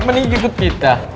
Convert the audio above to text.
mending ikut kita